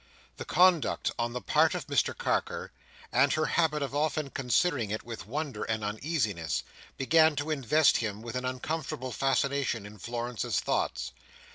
This conduct on the part of Mr Carker, and her habit of often considering it with wonder and uneasiness, began to invest him with an uncomfortable fascination in Florence's thoughts.